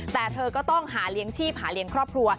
แต่เธอก็ต้องหาเลี้ยงชีพหาเลี้ยงครอบครัว